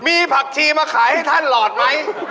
มีผักชีมาขายให้ท่านหลอดไหม